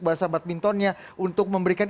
bahasa badmintonnya untuk memberikan